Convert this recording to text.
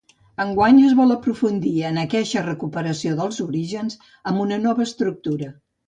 Enguany es vol aprofundir en aqueixa recuperació dels orígens amb una nova estructura.